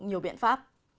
nhiều biện pháp